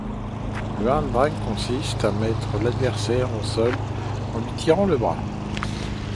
Le Arm Drag consiste à mettre l'adversaire au sol en lui tirant le bras.